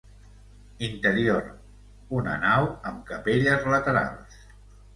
Interior: una nau amb capelles laterals.